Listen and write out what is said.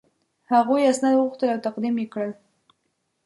هغوی اسناد وغوښتل او تقدیم یې کړل.